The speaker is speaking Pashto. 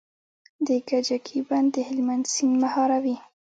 د کجکي بند د هلمند سیند مهاروي